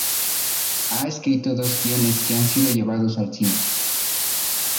Ha escrito dos guiones que han sido llevados al cine.